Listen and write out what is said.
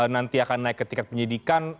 nanti akan naik ke tiket penyelidikan